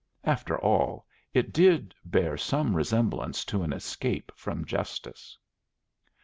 After all it did bear some resemblance to an escape from justice.